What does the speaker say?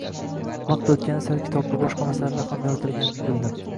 Vaqt o‘tgani sari kitobda boshqa masalalar ham yoritilganini bildim.